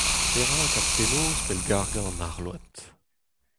Perak ha penaos pellgargañ an arload ?